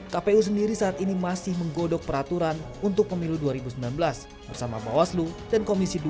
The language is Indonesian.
kpu sendiri saat ini masih menggodok peraturan untuk pemilu dua ribu sembilan belas bersama bawaslu dan komisi dua